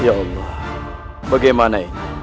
ya allah bagaimana ini